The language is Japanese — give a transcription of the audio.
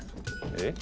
え？